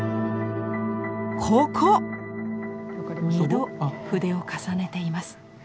２度筆を重ねています。